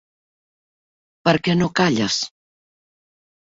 Per què no calles?